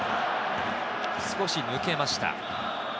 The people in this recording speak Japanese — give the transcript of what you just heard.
少し抜けました。